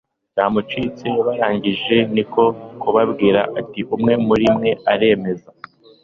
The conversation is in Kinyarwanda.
cyamucitse. barangije ni ko kubabwira ati umwe muri mwe aremeza